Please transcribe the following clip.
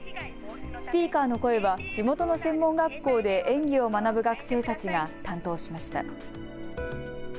スピーカーの声は地元の専門学校で演技を学ぶ学生たちが担当しました。